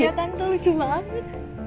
iya kan tuh lucu banget